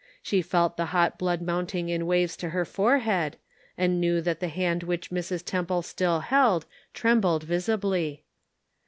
She felt the hot blood mounting in waves to her fore head, and knew that the hand which Mrs. Temple still held trembled visibly.